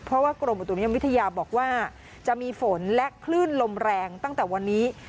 เพราะว่ากรมอุตุนิยมวิทยาบอกว่าจะมีฝนและคลื่นลมแรงตั้งแต่วันนี้